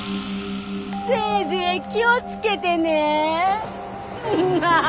せいぜい気を付けてね。